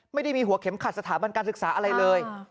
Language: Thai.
ไม่ได้มีหัวเข็มขัดสถาบันการศึกษาอะไรเลย